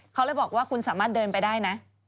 เขาเลยบอกว่าคุณสามารถเดินไปได้นะ